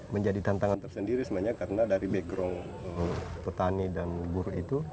menjadi tantangan tersendiri sebenarnya karena dari background petani dan buruh itu